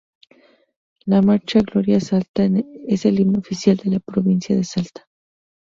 La marcha Gloria a Salta es el himno oficial de la provincia de Salta.